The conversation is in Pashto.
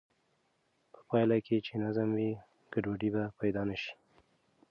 په پایله کې چې نظم وي، ګډوډي به پیدا نه شي.